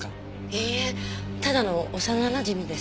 いいえただの幼なじみです。